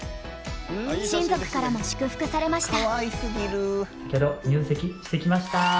親族からも祝福されました。